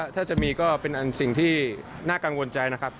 ถ้าจะมีก็เป็นสิ่งที่น่ากังวลใจนะครับ